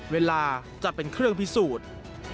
เวลาจะเป็นเครื่องพิสูจน์